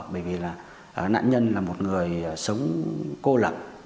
bởi vì là nạn nhân là một người sống cô lập